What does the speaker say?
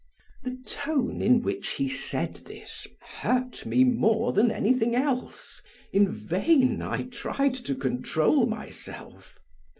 The tone in which he said this hurt me more than anything else; in vain I tried to control myself.